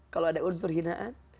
kalau ada unsur hinaan